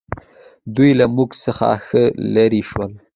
دوی له موږ څخه ښه لرې شول.